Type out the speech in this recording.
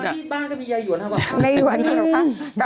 ทางนี้บ้านก็มียายหยวนครับ